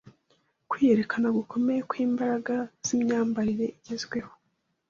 kwiyerekana gukomeye kw’imbaraga z’imyambarire igezweho